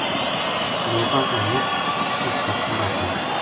لوکاں کا مُچ اس کا تھوڑا تھا